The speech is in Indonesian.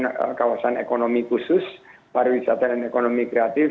di mana kita memiliki kawasan ekonomi khusus pariwisata dan ekonomi kreatif